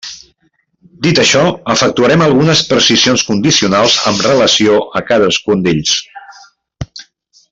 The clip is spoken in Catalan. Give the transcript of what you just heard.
Dit això, efectuarem algunes precisions condicionals amb relació a cadascun d'ells.